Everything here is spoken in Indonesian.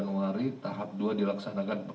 nah tahap satu dan tahap dua telah dilaksanakan ya